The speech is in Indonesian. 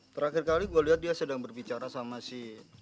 terakhir kali gue lihat dia sedang berbicara sama si